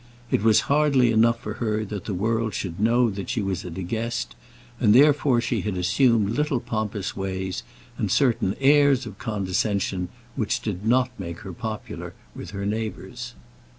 It was hardly enough for her that the world should know that she was a De Guest, and therefore she had assumed little pompous ways and certain airs of condescension which did not make her popular with her neighbours.